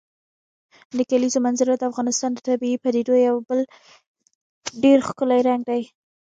د کلیزو منظره د افغانستان د طبیعي پدیدو یو بل ډېر ښکلی رنګ دی.